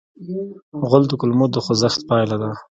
غول د کولمو د خوځښت پایله ده.